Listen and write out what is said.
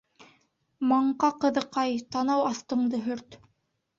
— Маңҡа ҡыҙыҡай, танау аҫтыңды һөрт!